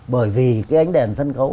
bởi vì cái ánh đèn sân khấu